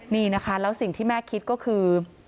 นี่นะคะแล้วสิ่งที่แม่คิดก็คือ